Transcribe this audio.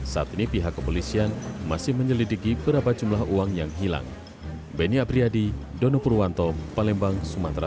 saat ini pihak kepolisian masih menyelidiki berapa jumlah uang yang hilang